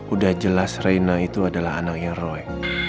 udah jelas reina itu adalah anaknya roy